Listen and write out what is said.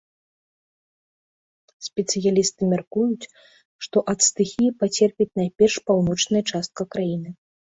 Спецыялісты мяркуюць, што ад стыхіі пацерпіць найперш паўночная частка краіны.